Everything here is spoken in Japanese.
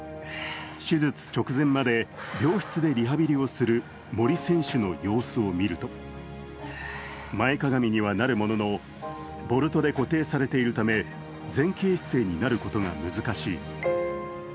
手術直前まで病室でリハビリをする森選手の様子を見ると前かがみにはなるものの、ボルトで固定されているため前傾姿勢になることが難しい。